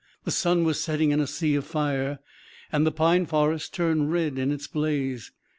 The sun was setting in a sea of fire, and the pine forests turned red in its blaze.